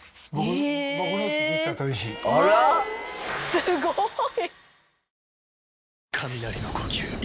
すごい！